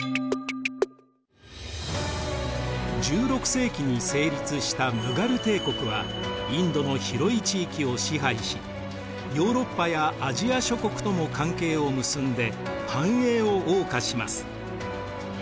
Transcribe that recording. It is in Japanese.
１６世紀に成立したムガル帝国はインドの広い地域を支配しヨーロッパやアジア諸国とも関係を結んで繁栄を謳歌します。